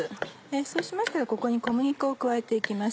そうしましたらここに小麦粉を加えて行きます。